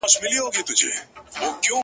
خو وخته لا مړ سوى دی ژوندى نـه دی ـ